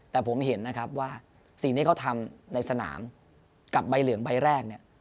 แต่ผมเห็นนะครับว่าสิ่งที่เขาทำในสนามกับใบเหลืองใบแรกเนี่ย